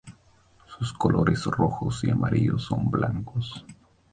Sus colores son rojos y amarillos, con blancos.